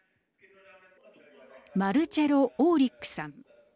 マルチェロ・オーリックさん。